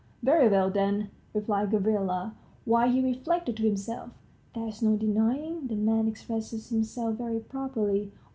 "Very well, then," replied Gavrila, while he reflected to himself: "There's no denying the man expresses himself very properly.